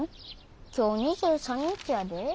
今日２３日やで。